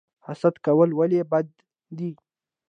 حسد کول ولې بد دي؟